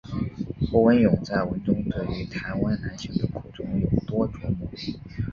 侯文咏在文中对于台湾男性的苦衷有多琢磨。